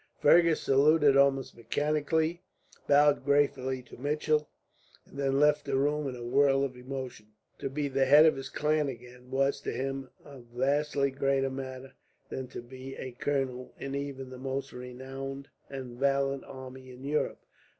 Fergus saluted almost mechanically, bowed gratefully to Mitchell, and then left the room in a whirl of emotion. To be the head of his clan again was, to him, a vastly greater matter than to be a colonel in even the most renowned and valiant army in Europe.